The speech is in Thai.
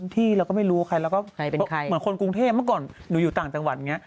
ที่เราก็ไม่รู้ว่าใครแล้วก็เหมือนคนกรุงเทพเมื่อก่อนหนูอยู่ต่างจังหวัดอย่างนี้